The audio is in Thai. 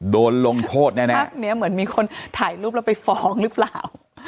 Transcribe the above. โดนลงโทษแน่ภาคนี้เหมือนมีคนถ่ายรูปแล้วไปฟ้องหรือเปล่า